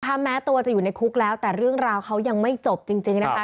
ถ้าแม้ตัวจะอยู่ในคุกแล้วแต่เรื่องราวเขายังไม่จบจริงนะคะ